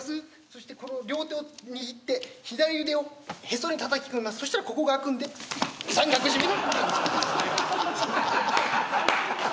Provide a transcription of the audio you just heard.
そして、この両手を握って左腕をへそにたたき込みますそしたら、ここが空くので三角締め。